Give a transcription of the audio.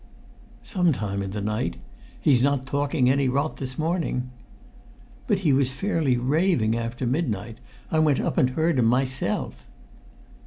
"Some time in the night. He's not talking any rot this morning." "But he was fairly raving after midnight. I went up and heard him myself."